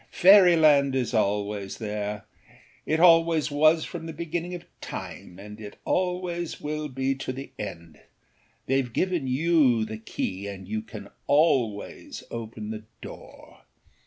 Fairyland is always there; it always was from the beginning of time, and it always will be to the end. Theyâve given you the key and you can always open the door.